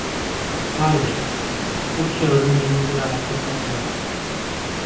Hayır, bu kâğıdın benimle bir alakası olamazdı.